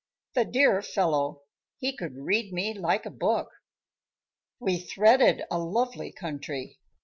The dear fellow; he could read me like a book. We threaded a lovely country.